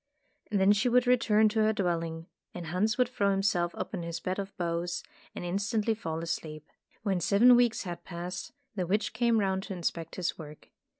Then she would return to her dwelling, and Hans would throw himself upon his bed of boughs, and instantly fall asleep. When seven weeks had passed, the witch came round to inspect his work.